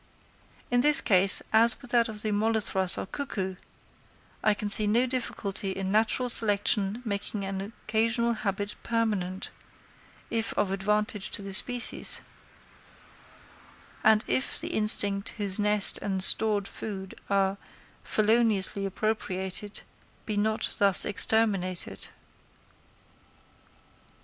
In this case, as with that of the Molothrus or cuckoo, I can see no difficulty in natural selection making an occasional habit permanent, if of advantage to the species, and if the insect whose nest and stored food are feloniously appropriated, be not thus exterminated.